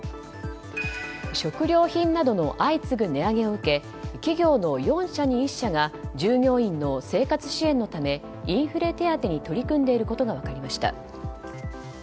食料品などの相次ぐ値上げを受け企業の４社に１社が、従業員の生活支援のためインフレ手当に取り組んでいることが分かりました。